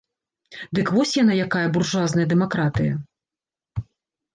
Дык вось яна якая, буржуазная дэмакратыя!